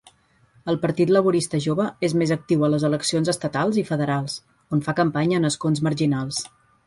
El Partit Laborista Jove és més actiu a les eleccions estatals i federals, on fa campanya en escons marginals.